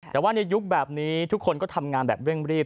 แต่ว่าในยุคแบบนี้ทุกคนก็ทำงานแบบเร่งรีบ